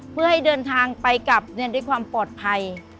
เพื่อให้เดินทางไปกลับด้วยความปลอดภัย